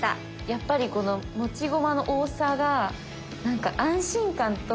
やっぱりこの持ち駒の多さが安心感と。